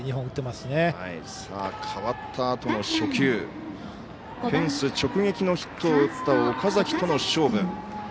代わったあとの初球フェンス直撃のヒットを打った岡崎との勝負。